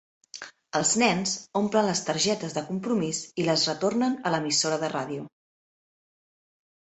Els nens omplen les targetes de compromís i les retornen a l'emissora de ràdio.